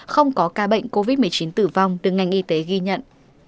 không có ca bệnh covid một mươi chín tử vong được ngành y tế ghi nhận